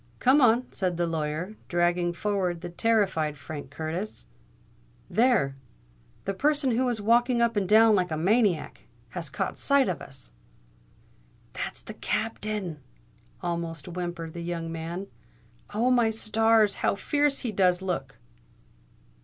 "Come on," said the lawyer, dragging forward the terrified Frank Curtis. "There! the person who is walking up and down like a maniac, has caught sight of us——" "That's the Captain!" almost whimpered the young man. "Oh! my stars! how fierce he does look!"